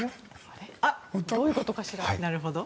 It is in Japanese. どういうことかしら？